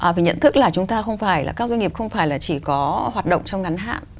và nhận thức là chúng ta không phải là các doanh nghiệp không phải là chỉ có hoạt động trong ngắn hạn